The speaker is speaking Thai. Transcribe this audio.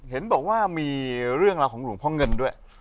เห็นบอกว่ามีเรื่องราวของหลวงพ่อเงินด้วย